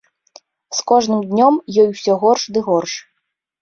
З кожным днём ёй усё горш ды горш.